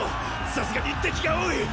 さすがに敵が多い！